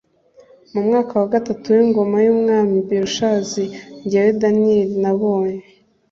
Mu mwaka wa gatatu w ingoma y umwami Belushazari jyewe Daniyeli nabonye